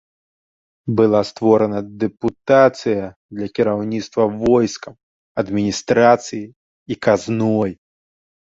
Была створана дэпутацыя для кіраўніцтва войскам, адміністрацыяй і казной.